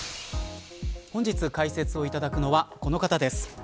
本日解説をいただくのはこの方です。